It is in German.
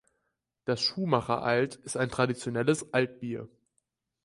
Das Schumacher-Alt ist ein traditionelles Altbier.